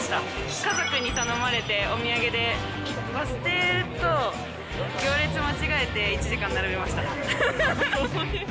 家族に頼まれてお土産で、バス停と行列間違えて１時間並びました。